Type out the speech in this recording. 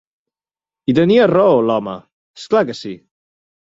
I tenia raó, l'home! És clar que sí!